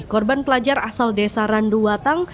korban pelajar asal desa randuwatang